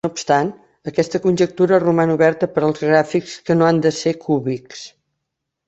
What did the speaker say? No obstant, aquesta conjectura roman oberta per als gràfics que no han de ser cúbics.